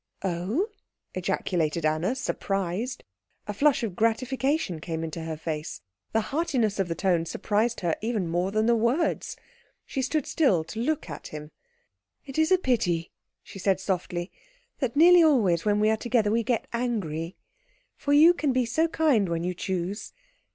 "Oh?" ejaculated Anna, surprised. A flush of gratification came into her face. The heartiness of the tone surprised her even more than the words. She stood still to look at him. "It is a pity," she said softly, "that nearly always when we are together we get angry, for you can be so kind when you choose.